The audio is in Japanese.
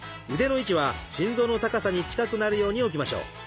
腕の位置は心臓の高さに近くなるように置きましょう。